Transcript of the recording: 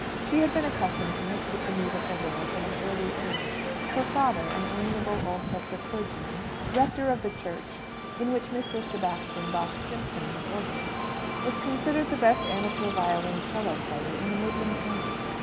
She had been accustomed to mix with the musical world from an early age. Her father, an amiable Oldchester clergyman, rector of the church in which Mr. Sebastian Bach Simpson was organist, was considered the best amateur violoncello player in the Midland Counties.